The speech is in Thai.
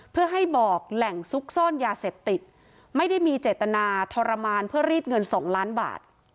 เพื่อให้บอกแหล่งซุกซ่อนยาเสพติดไม่ได้มีเจตนาทรมานเพื่อรีดเงิน๒ล้านบาท